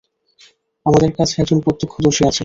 আমাদের কাছে একজন প্রত্যক্ষদর্শী আছে।